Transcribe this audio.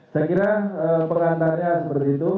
saya kira pengantarnya seperti itu